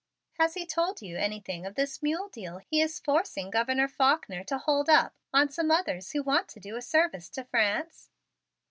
Has he told you anything of this mule deal he is forcing Governor Faulkner to hold up on some others who want to do a service to France?"